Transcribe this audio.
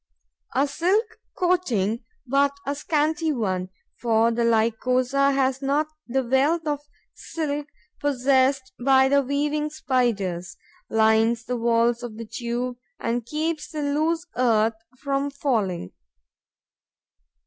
A silk coating, but a scanty one, for the Lycosa has not the wealth of silk possessed by the Weaving Spiders, lines the walls of the tube and keeps the loose earth from falling.